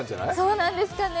そうなんですかね